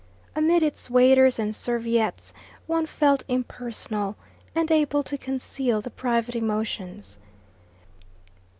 Amid its waiters and serviettes one felt impersonal, and able to conceal the private emotions.